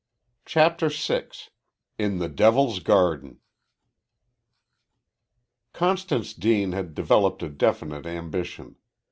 CHAPTER VI IN THE "DEVIL'S GARDEN" Constance Deane had developed a definite ambition.